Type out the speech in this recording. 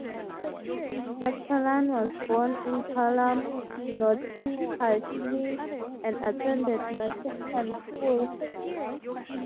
Macfarlane was born in Halam, Nottinghamshire and attended Nottingham High School.